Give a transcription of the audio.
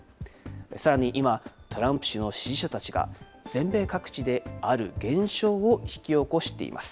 さらに今、トランプ氏の支持者たちが、全米各地である現象を引き起こしています。